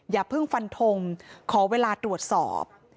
อย่าเพิ่งฟันทงขอเวลาตรวจสอบ